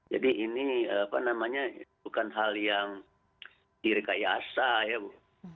jadi ini bukan hal yang dirikayasa ya bu